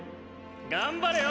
頑張れよ！